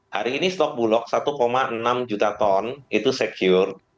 hari ini stok bulog satu enam juta ton itu secure